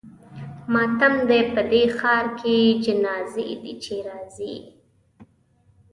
ماتم دی په دې ښار کې جنازې دي چې راځي.